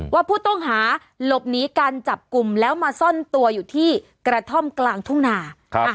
ว่าผู้ต้องหาหลบหนีการจับกลุ่มแล้วมาซ่อนตัวอยู่ที่กระท่อมกลางทุ่งนา